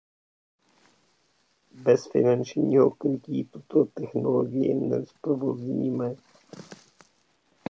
Bez finančního krytí tuto technologii nezprovozníme.